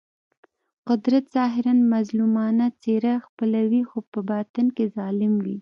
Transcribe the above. قدرت ظاهراً مظلومانه څېره خپلوي خو په باطن کې ظالم وي.